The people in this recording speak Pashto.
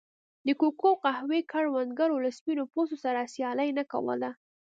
د کوکو او قهوې کروندګرو له سپین پوستو سره سیالي نه کوله.